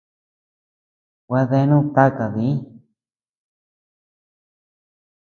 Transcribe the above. Gua deanud taka diñ.